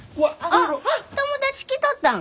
あっ友達来とったん？